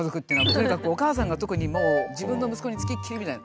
とにかくお母さんが特に自分の息子に付きっきりみたいな。